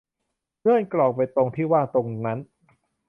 เลื่อนกล่องไปตรงที่ว่างตรงนั้น